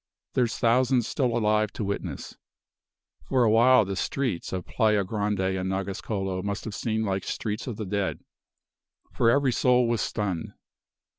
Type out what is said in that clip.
There's thousands still alive to witness. For a while the streets of Playa Grande and Nagascolo must have seemed like streets of the dead; for every soul was stunned.